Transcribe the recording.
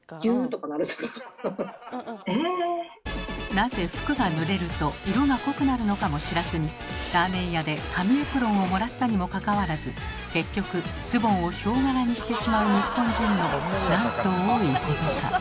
なぜ服がぬれると色が濃くなるのかも知らずにラーメン屋で紙エプロンをもらったにもかかわらず結局ズボンをヒョウ柄にしてしまう日本人のなんと多いことか。